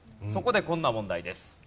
そこでこんな問題です。